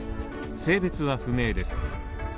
性別は不明です。